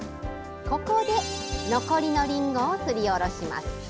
ここで残りのりんごをすりおろします。